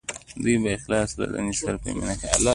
دوی په اخلاص او له دندې سره په مینه کار کوي.